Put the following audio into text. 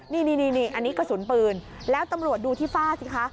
นี่อันนี้กระสุนปืนแล้วตำรวจดูที่ฝ้าสิคะ